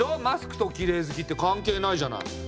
「マスク」と「きれい好き」って関係ないじゃない。